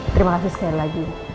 terima kasih sekali lagi